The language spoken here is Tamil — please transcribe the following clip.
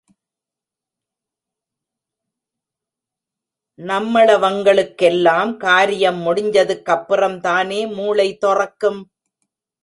நம்மளவங்களுக்கெல்லாம் காரியம் முடிஞ்சதுக்கப்புறம்தானே மூளை தொறக்கும்.